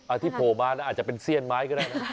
ที่โผล่มานะอาจจะเป็นเสี้ยนไม้ก็ได้นะ